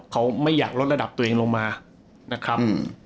เขาไม่อยากลดระดับตัวเองลงมานะครับ